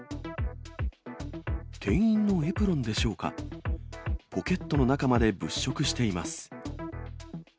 店員のエプロンでしょうか、ポケットの中まで物色しています。